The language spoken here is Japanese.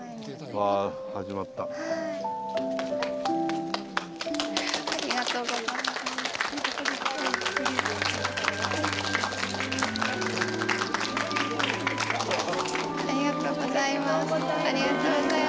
おめでとうございます。